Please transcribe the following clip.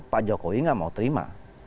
pak jokowi nggak mau terima